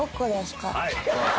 はい。